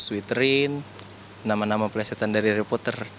twitterin nama nama pelesetan dari harry potter